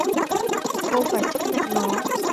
cô phải chấp nhận nó